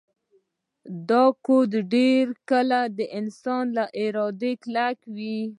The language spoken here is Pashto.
دا کوډ ډیر کله د انسان له ارادې کلک وي